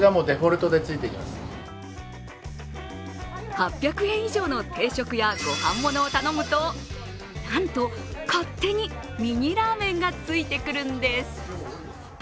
８００円以上の定食やご飯物を頼むとなんと勝手にミニラーメンがついてくるんです。